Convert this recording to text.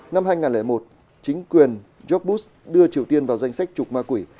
năm hai nghìn một chính quyền jobus đưa triều tiên vào danh sách trục ma quỷ